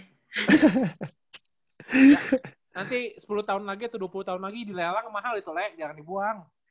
nanti sepuluh tahun lagi atau dua puluh tahun lagi di lea lang mahal itu lea jangan dibuang